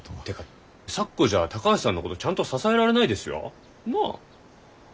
てか咲子じゃ高橋さんのことちゃんと支えられないですよ。なあ？